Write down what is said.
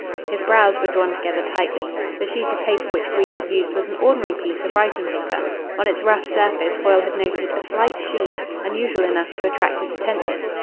His brows were drawn together tightly. The sheet of paper which Green had used was an ordinary piece of writing paper. On its rough surface Foyle had noted a slight sheen, unusual enough to attract his attention.